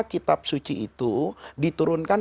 kitab suci itu diturunkan